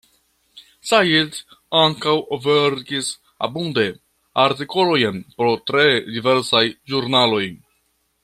Said ankaŭ verkis abunde artikolojn por tre diversaj ĵurnaloj.